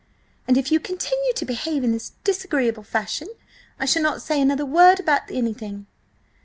"And if you continue to behave in this disagreeable fashion I shall not say another word about anything!"